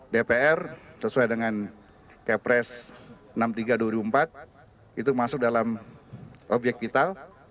dpr sesuai dengan kpres enam puluh tiga ribu dua ratus lima puluh empat itu masuk dalam obyek vital